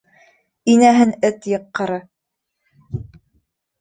Инәһен эт йыҡҡыры...